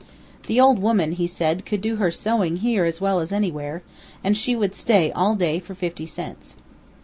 The old woman, he said, could do her sewing here as well as anywhere, and she would stay all day for fifty cents.